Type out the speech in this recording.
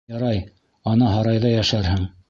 Ярай, ана һарайҙа йәшәрһең!